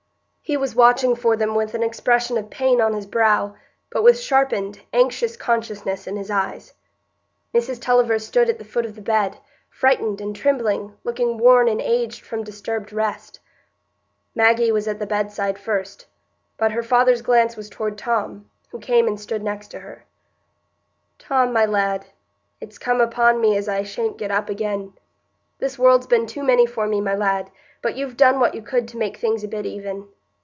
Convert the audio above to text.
He was watching for them with an expression of pain on his brow, but with sharpened, anxious consciousness in his eyes. Mrs Tulliver stood at the foot of the bed, frightened and trembling, looking worn and aged from disturbed rest. Maggie was at the bedside first, but her father's glance was toward Tom, who came and stood next to her. "Tom, my lad, it's come upon me as I sha'n't get up again. This world's been too many for me, my lad, but you've done what you could to make things a bit even.